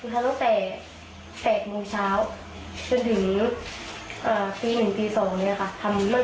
เขาจะเอาอะไรเงียบอย่างเดียวหนูก็อยากบอกว่า